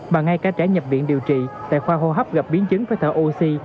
mà ngay cả trẻ nhập viện điều trị tại khoa hô hấp gặp biến chứng với thở oxy